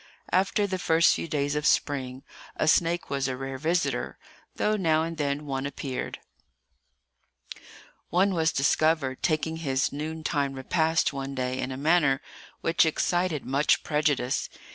After the first few days of spring, a snake was a rare visitor, though now and then one appeared. One was discovered taking his noontide repast one day in a manner which excited much prejudice.